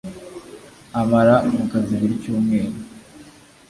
amara mu kazi buri cyumweru